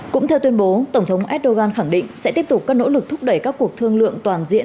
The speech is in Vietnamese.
cũng theo tuyên bố tổng thống erdogan khẳng định sẽ tiếp tục các nỗ lực thúc đẩy các cuộc thương lượng toàn diện